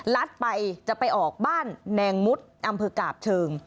ลัดไปจะไปออกบ้านแนงมุดอำเภอกาบเชิง